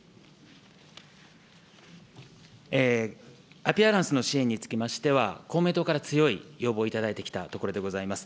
アピアランスの支援につきましては、公明党から強い要望をいただいてきたところでございます。